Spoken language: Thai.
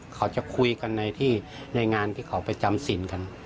เขาจะคุยกันในงานที่เขาไปจำสินกัน